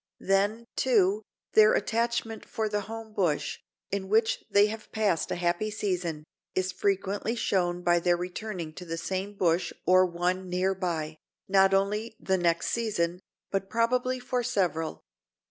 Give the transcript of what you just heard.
Then, too, their attachment for the home bush, in which they have passed a happy season, is frequently shown by their returning to the same bush or one near by, not only the next season, but probably for several.